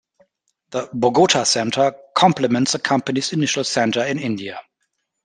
The Bogota center complements the company's initial center in India.